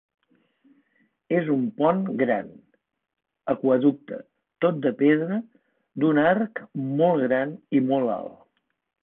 És un pont Gran, Aqüeducte tot de pedra, d'un arc, molt gran i molt alt.